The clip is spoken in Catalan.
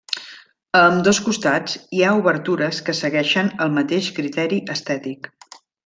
A ambdós costats, hi ha obertures que segueixen el mateix criteri estètic.